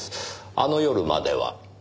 あの夜までは。